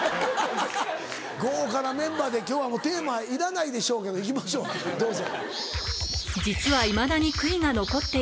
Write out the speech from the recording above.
豪華なメンバーで今日はテーマいらないでしょうけど行きましょうどうぞ。